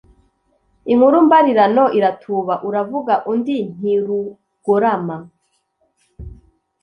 Inkuru mbarirano iratuba. Uruvuga undi ntirugorama.